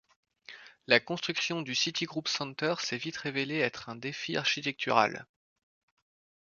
La construction du Citigroup Center s'est vite révélée être un défi architectural.